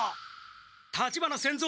立花仙蔵